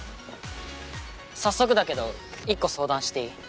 早速だけど１個相談していい？